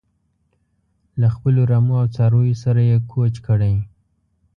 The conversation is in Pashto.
له خپلو رمو او څارویو سره یې کوچ کړی.